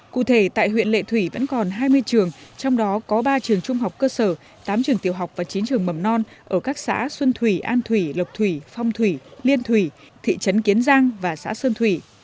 cụ thể tại huyện lệ thủy vẫn còn hai mươi trường trong đó có ba trường trung học cơ sở tám trường tiểu học và chín trường mầm non ở các xã xuân thủy an thủy lộc thủy phong thủy liên thủy thị trấn kiến giang và xã sơn thủy